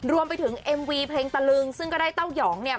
รวมไปถึงเอ็มวีเพลงตะลึงซึ่งก็ได้เต้ายองเนี่ย